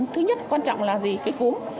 thứ nhất quan trọng là gì cái cúm